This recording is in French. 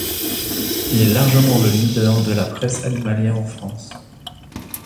Il est largement le leader de la presse animalière en France.